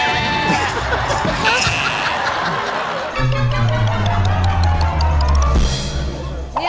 อ้ำอ้ำอ้ำอ้ำอ้ำอ้ำ